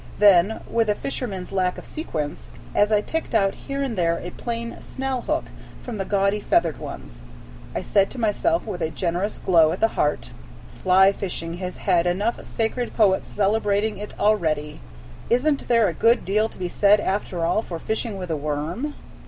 Then, with a fisherman's lack of sequence, as I picked out here and there a plain snell hook from the gaudy feathered ones, I said to myself with a generous glow at the heart: "Fly fishing has had enough sacred poets celebrating it already. Is n't there a good deal to be said, after all, for fishing with a worm?"